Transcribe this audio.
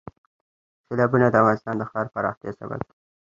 سیلابونه د افغانستان د ښاري پراختیا سبب کېږي.